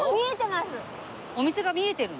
お店が見えてるの？